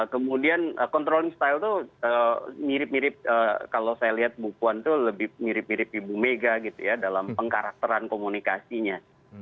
kemudian control style itu mirip mirip kalau saya lihat bu puan itu lebih mirip mirip ibu mega gitu ya dalam pengkarakteran komunikasinya